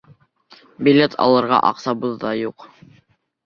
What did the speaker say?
Билет алырға аҡсабыҙ ҙа юҡ...